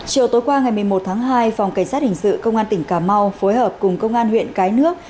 chiều tối qua ngày một mươi một tháng hai phòng cảnh sát hình sự công an tỉnh cà mau phối hợp cùng công an huyện cái nước